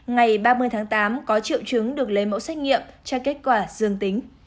ngày ba mươi tháng tám có triệu chứng được lấy mẫu xét nghiệm cho kết quả dương tính